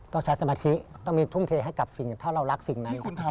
ต้องใช้สมาธิต้องมีทุ่มเทให้กับสิ่งถ้าเรารักสิ่งไหน